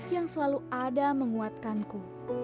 yang selalu ada menguatkanku